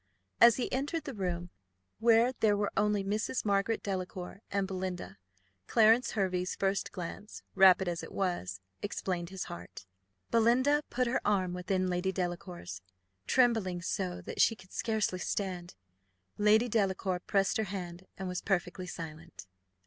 As he entered the room, where there were only Mrs. Margaret Delacour and Belinda, Clarence Hervey's first glance, rapid as it was, explained his heart. Belinda put her arm within Lady Delacour's, trembling so that she could scarcely stand. Lady Delacour pressed her hand, and was perfectly silent.